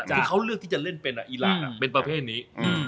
ที่เขาเลือกที่จะเล่นเป็นอีรานเป็นประเภทนี้